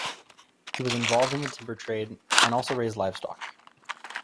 He was involved in the timber trade and also raised livestock.